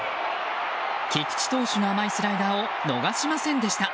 菊池投手の甘いスライダーを逃しませんでした。